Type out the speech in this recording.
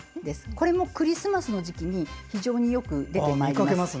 これもクリスマスの時期に非常によく出てまいります。